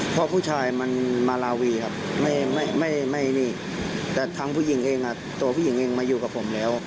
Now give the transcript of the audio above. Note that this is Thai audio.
เพราะผู้ชายมันมาลาวีครับไม่นี่แต่ทั้งผู้หญิงเองตัวผู้หญิงเองมาอยู่กับผมแล้ว